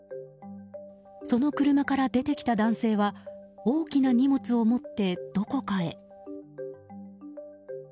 その車から出てきた男性は大きな荷物を持ってどこかへ。